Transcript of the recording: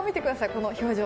この表情。